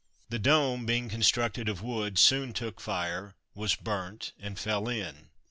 The dome, being constructed of wood, soon took fire, was burnt, and fell in.